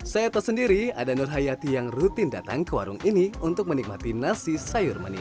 saya tersendiri ada nur hayati yang rutin datang ke warung ini untuk menikmati nasi sayur manis